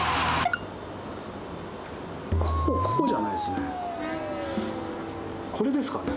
こうじゃないですね。